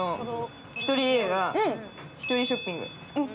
１人映画、１人ショッピング。